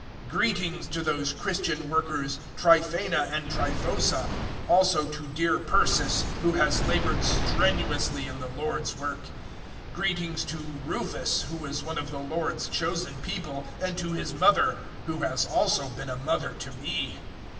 016:012 Greetings to those Christian workers, Tryphaena and Tryphosa; also to dear Persis, who has laboured strenuously in the Lord's work. 016:013 Greetings to Rufus, who is one of the Lord's chosen people; and to his mother, who has also been a mother to me.